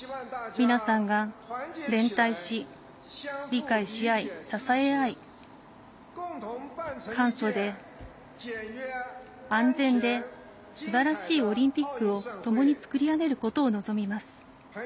皆さんが連帯し理解し合い、支え合い簡素で安全ですばらしいオリンピックをともに作り上げることを望みます。